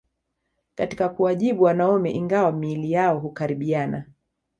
Katika kuwajibu wanaume ingawa miili yao hukaribiana